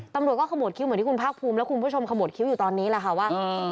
ตำรวจก็ขโหมดขิวเหมือนที่คุณพักภูมิแล้วคุณผู้ชมขโหมดขิวอยู่ตอนนี้ละค่ะว่า